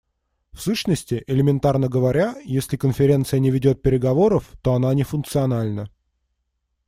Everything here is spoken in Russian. В сущности, элементарно говоря, если Конференция не ведет переговоров, то она не функциональна.